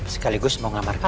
sekaligus mau ngelamar kamu